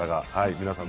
皆さん